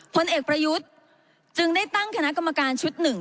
พลเอกประยุทธ์จึงได้ตั้งคณะกรรมการชุดหนึ่ง